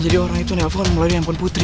jadi orang itu yang nelfon mau lari nelfon putri